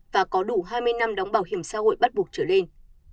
và có đủ hai mươi năm đóng bảo hiểm xã hội bắt buộc trở lên